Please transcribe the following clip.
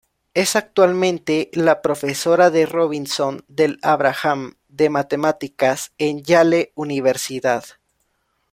Es actualmente la Profesora de Robinson del Abraham de Matemáticas en Yale Universidad.